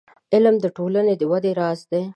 • علم، د ټولنې د ودې راز دی.